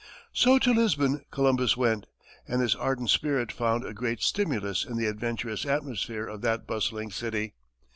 So to Lisbon Columbus went, and his ardent spirit found a great stimulus in the adventurous atmosphere of that bustling city.